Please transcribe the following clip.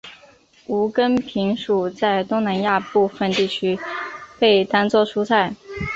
无根萍属在东南亚部份地区被当作蔬菜。